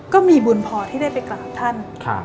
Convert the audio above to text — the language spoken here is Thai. ก็มีบุญพอที่ได้ไปกราบท่าน